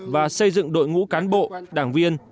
và xây dựng đội ngũ cán bộ đảng viên